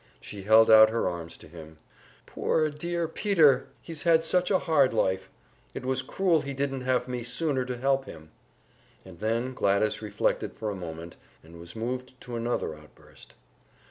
She held out her arms to him. "Poor, dear Peter! He's had such a hard life! It was cruel he didn't have me sooner to help him!" And then Gladys reflected for a moment, and was moved to another outburst.